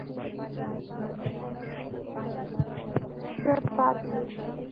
او فرمان ساجد ته يې وويل چې مونږ نن پاتې يو ـ